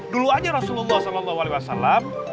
dulu aja rasulullah saw